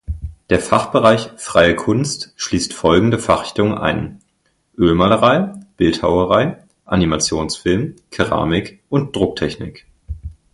Der Fachbereich "Freie Kunst" schließt folgende Fachrichtungen ein: Ölmalerei, Bildhauerei, Animationsfilm, Keramik und Drucktechnik.